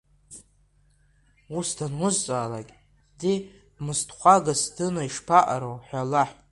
Ус данузҵаалакь, ди, бмысҭхәага сдына ишԥаҟаро ҳәа лаҳә.